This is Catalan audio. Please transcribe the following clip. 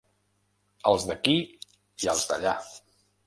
Els d'aquí i els d'allà.